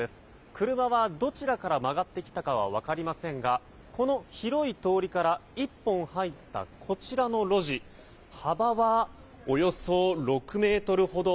車がどちらから曲がってきたかは分かりませんがこの広い通りから１本入ったこちらの路地幅は、およそ６ｍほど。